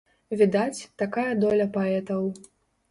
Відаць, такая доля паэтаў.